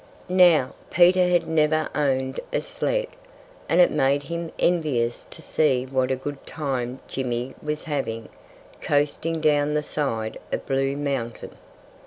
Now, Peter had never owned a sled; and it made him envious to see what a good time Jimmy was having, coasting down the side of Blue Mountain.